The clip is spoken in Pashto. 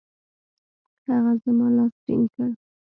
هغه زما لاس ټینګ کړ.